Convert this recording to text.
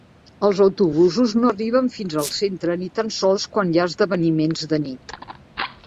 Els autobusos no arriben fins al centre ni tan sols quan hi ha esdeveniments de nit.